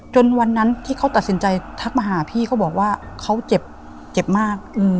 วันนั้นที่เขาตัดสินใจทักมาหาพี่เขาบอกว่าเขาเจ็บเจ็บมาก